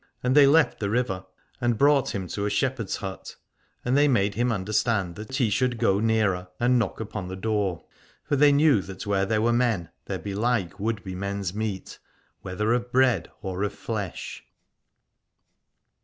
And they left the river and brought 192 Aladore him to a shepherd's hut, and they made him understand that he should go nearer and knock upon the door. For they knew that where there were men, there behke would be men's meat, whether of bread or of flesh.